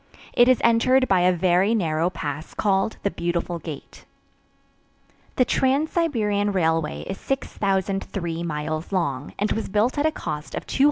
It is entered by a very narrow pass called the "Beautiful Gate." The Trans Siberian Railway is 6,003 miles long and was built at a cost of $201,350,860.